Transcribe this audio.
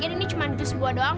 aduh rang sabar dong